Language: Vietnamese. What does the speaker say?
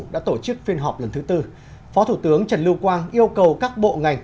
đã tổ chức phiên họp lần thứ tư phó thủ tướng trần lưu quang yêu cầu các bộ ngành